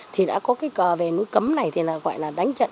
thì đã có cái cờ về núi cấm này thì là gọi là đánh trận